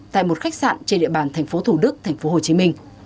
tại một khách sạn trên địa bàn tp thủ đức tp hcm